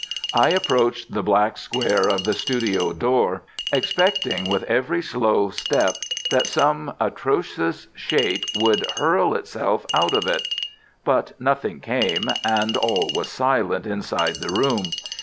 I approached the black square of the studio door, expecting with every slow step that some atrocious shape would hurl itself out of it. But nothing came, and all was silent inside the room.